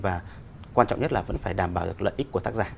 và quan trọng nhất là vẫn phải đảm bảo được lợi ích của tác giả